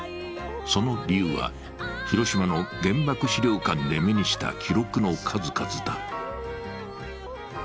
その理由は広島の原爆資料館で目にした記録の数々だ。